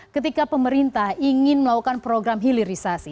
ketika pemerintah ingin melakukan program hilirisasi